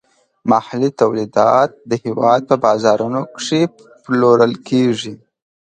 محلي تولیدات د هیواد په بازارونو کې پلورل کیږي.